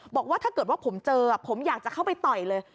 บอกว่าถ้าเกิดว่าผมเจอผมอยากจะเข้าไปต่อยเลย